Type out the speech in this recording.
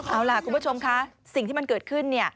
เอาล่ะคุณผู้ชมคะสิ่งที่มันเกิดขึ้น